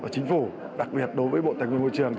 chính phủ đặc biệt đối với bộ tài nguyên môi trường